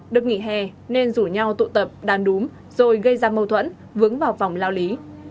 được nghỉ hè nên rủ nhau tụ tập đàn đúng rồi gây ra mâu thuẫn vướng vào vòng lao lý